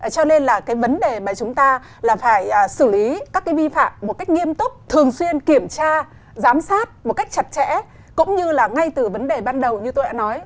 cho nên là cái vấn đề mà chúng ta là phải xử lý các cái vi phạm một cách nghiêm túc thường xuyên kiểm tra giám sát một cách chặt chẽ cũng như là ngay từ vấn đề ban đầu như tôi đã nói